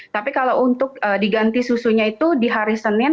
tapi kalau untuk diganti susunya itu di hari senin